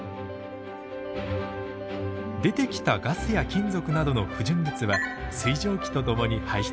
出てきたガスや金属などの不純物は水蒸気とともに排出。